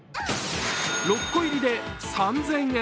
６個入りで３０００円。